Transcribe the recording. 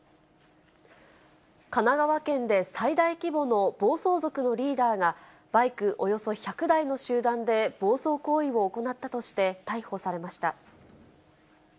神奈川県で最大規模の暴走族のリーダーが、バイクおよそ１００台の集団で暴走行為を行ったとして、逮捕されました。